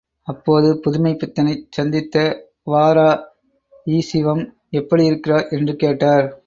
அப்போது புதுமைப்பித்தனைச் சந்தித்த வ.ரா., ஈசிவம் எப்படியிருக்கிறார் என்று கேட்டார்.